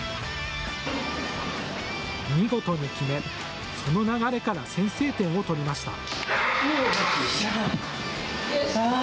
見事に決めその流れから先制点を取りました。